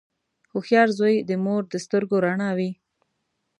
• هوښیار زوی د مور د سترګو رڼا وي.